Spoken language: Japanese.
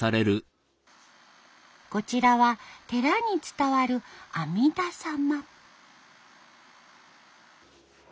こちらは寺に伝わる阿弥陀様。